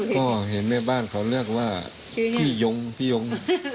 ก็เห็นในบ้านเขาเลือกว่าพี่มรึง